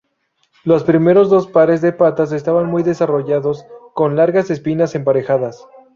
Los primeros dos pares de patas estaban muy desarrollados, con largas espinas emparejadas.